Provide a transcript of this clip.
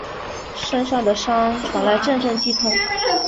身上的伤传来阵阵剧痛